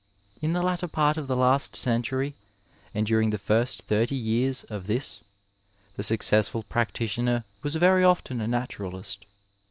In the latter part of the last century and during the first thirty years of this, the successful practitioner was very often a naturalist.